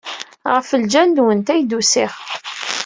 Ɣef lǧal-nwent ay d-usiɣ.